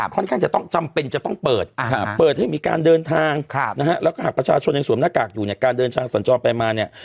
ค่อนข้างจะต้องจำเป็นจะต้องเปิดเปิดให้มีการเดินทางนะฮะแล้วก็หากประชาชนยังสวมหน้ากากอยู่เนี่ยการเดินทางสัญจรไปมาเนี่ย